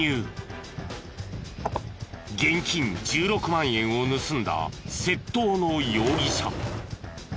現金１６万円を盗んだ窃盗の容疑者。